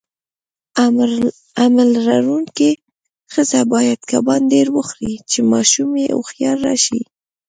حمل لرونکي خزه باید کبان ډیر وخوري، چی ماشوم یی هوښیار راشي.